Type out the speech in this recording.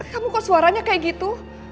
kamu kok suaranya kayak gitu